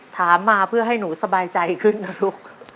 ถามมาเพื่อให้หนูสบายใจขึ้นนะลูก